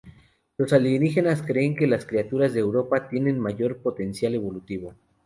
Los alienígenas creen que las criaturas de Europa tienen mayor potencial evolutivo.